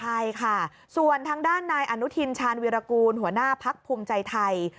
ใช่ค่ะส่วนทางด้านนายอนุทินชาญวิรากูลหัวหน้าพักภูมิใจไทย